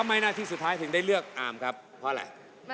หน้าที่สุดท้ายถึงได้เลือกอามครับเพราะอะไร